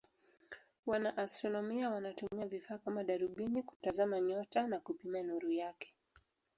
Wanaastronomia wanatumia vifaa kama darubini kutazama nyota na kupima nuru yake.